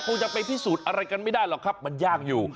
คงจะไปพิสูจน์อะไรกันไม่ได้หรอกครับมันยากอยู่